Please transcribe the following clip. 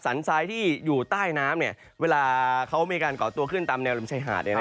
สันทรายที่อยู่ใต้น้ำเนี่ยเวลาเขามีการก่อตัวขึ้นตามแนวลำชัยหาด